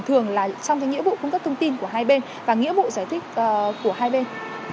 thường là trong cái nghĩa vụ cung cấp thông tin của hai bên và nghĩa vụ giải thích của hai bên